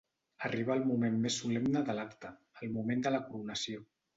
Arriba el moment més solemne de l'Acte, el moment de la Coronació.